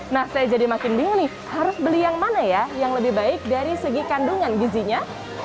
nah saya jadi makin bingung nih harus beli yang mana ya yang lebih baik dari segi kandungan gizinya